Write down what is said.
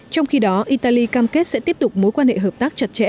trong khi đó italy cam kết sẽ tiếp tục mối quan hệ hợp tác chặt chẽ